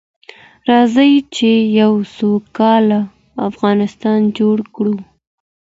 راځئ چې يو سوکاله افغانستان جوړ کړو.